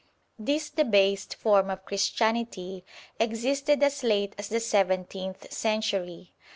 This debased form of Christianity existed as late as the seventeenth century.